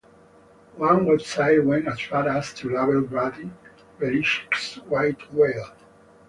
One website went as far as to label Brady Belichick's white whale.